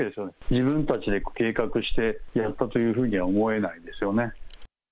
自分たちで計画してやったというふうには思えないんですよね。